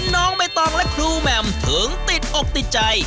น้องใบตองและครูแหม่มถึงติดอกติดใจ